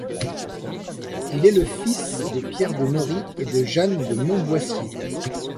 Il est le fils de Pierre de Norry et de Jeanne de Montboissier.